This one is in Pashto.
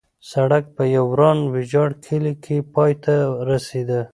سړک په یو وران ویجاړ کلي کې پای ته رسېده.